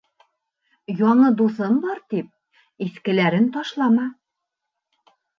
Яңы дуҫым бар тип, иҫкеләрен ташлама.